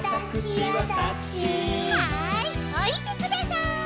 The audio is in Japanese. はいおりてください。